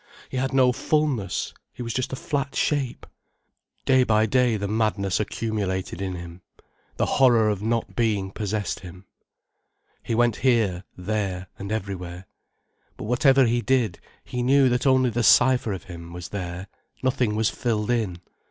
He had no fullness, he was just a flat shape. Day by day the madness accumulated in him. The horror of not being possessed him. He went here, there, and everywhere. But whatever he did, he knew that only the cipher of him was there, nothing was filled in.